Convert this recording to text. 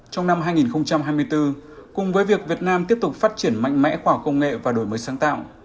trong năm hai nghìn hai mươi bốn cùng với việc việt nam tiếp tục phát triển mạnh mẽ khoa học công nghệ và đổi mới sáng tạo